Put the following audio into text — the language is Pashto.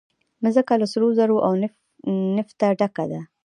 مځکه له سرو زرو او نفته ډکه ده.